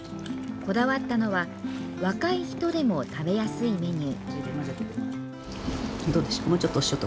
こだわったのは若い人でも食べやすいメニュー。